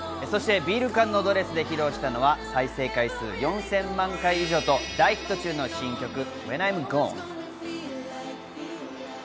そしてビール缶のドレスで披露したのは再生回数４０００万回以上と大ヒット中の新曲、『ＷｈｅｎＩ’ｍＧｏｎｅ』。